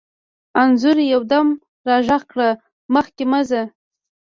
انځور یو دم را غږ کړ: مخکې مه ځه.